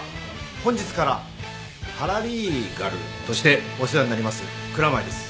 本日からパラリーガル？としてお世話になります蔵前です。